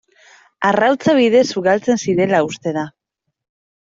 Arrautza bidez ugaltzen zirela uste da.